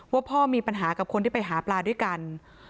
ว่าพ่อมีปัญหากับคนที่ไปหาปลาด้วยกัน